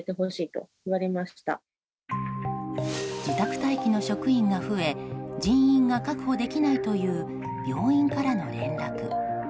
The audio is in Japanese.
自宅待機の職員が増え人員が確保できないという病院からの連絡。